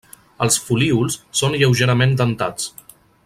Els folíols són lleugerament dentats.